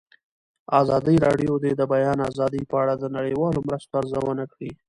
ازادي راډیو د د بیان آزادي په اړه د نړیوالو مرستو ارزونه کړې.